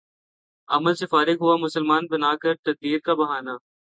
عمل سے فارغ ہوا مسلماں بنا کر تقدیر کا بہانہ